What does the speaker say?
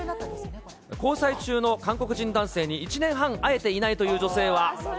交際中の韓国人男性に１年半、会えていないという女性は。